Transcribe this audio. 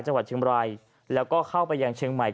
เชียงบรายแล้วก็เข้าไปยังเชียงใหม่